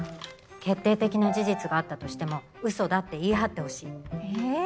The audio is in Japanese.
決定的な事実があったとしても嘘だって言い張ってほしい。え？